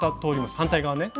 反対側ね。